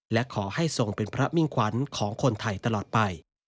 และขอให้ทรงเป็นพระมิ่งขวัญของคนไทยตลอดไป